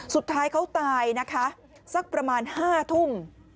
สุดท้ายเขาตายนะคะสักประมาณ๕ทุ่ม